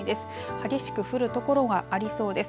激しく降るところがありそうです。